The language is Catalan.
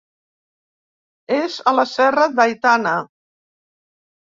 És a la serra d'Aitana.